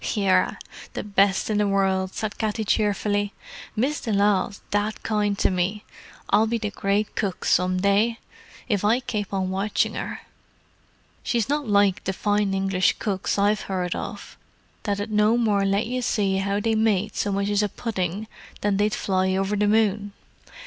"Yerra, the best in the world," said Katty cheerfully. "Miss de Lisle's that kind to me—I'll be the great cook some day, if I kape on watchin' her. She's not like the fine English cooks I've heard of, that 'ud no more let you see how they made so much as a pudding than they'd fly over the moon.